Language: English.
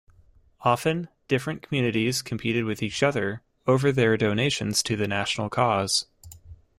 Often, different communities competed with each other over their donations to the national cause.